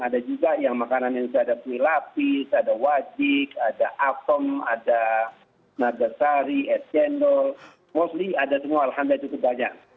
ada juga yang makanan yang ada kuih lapis ada wajik ada akom ada